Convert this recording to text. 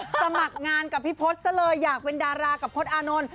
สมัครงานกับพี่พศซะเลยอยากเป็นดารากับพจน์อานนท์